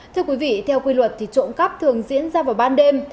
thưa quý vị theo quy luật thì trộm cắp thường diễn ra vào ban đêm